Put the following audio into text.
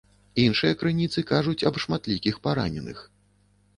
Іншыя крыніцы кажуць аб шматлікіх параненых.